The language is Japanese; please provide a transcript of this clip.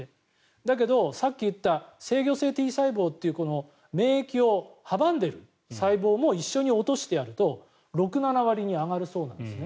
だけど、さっき言った制御性Ｔ細胞という免疫を阻んでる細胞も一緒に落としてやると６７割に上がるそうなんですね。